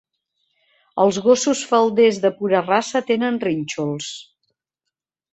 Els gossos falders de pura raça tenen rínxols.